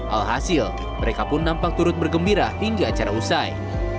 alhasil mereka pun nampak turut bergembira hingga acara usai